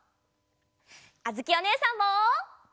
あづきおねえさんも！